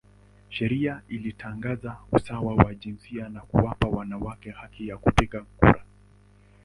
Sheria ilitangaza usawa wa jinsia na kuwapa wanawake haki ya kupiga kura.